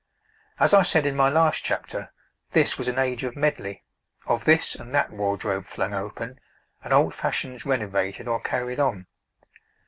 As I said in my last chapter, this was an age of medley of this and that wardrobe flung open, and old fashions renovated or carried on.